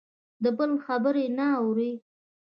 د بل خبرې نه اوري.